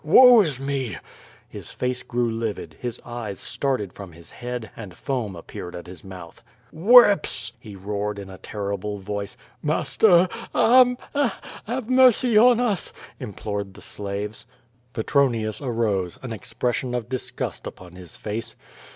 Woe is me!" His face grew livid, his eyes started from his head^ and foam api)eared at his mouth. "Whips!" he roared, in a terrible voice. "Master, Aaaa! — ^aa! Have mercy on us!" implored the slaves. Petronius arose, an expression of disgust upon his face.